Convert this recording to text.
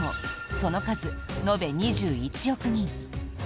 その数、延べ２１億人。